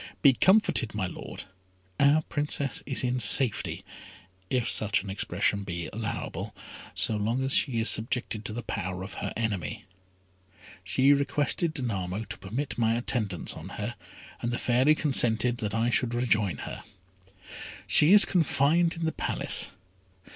Be comforted, my Lord; our Princess is in safety, if such an expression be allowable, so long as she is subjected to the power of her enemy. She requested Danamo to permit my attendance on her, and the Fairy consented that I should rejoin her. She is confined in the Palace.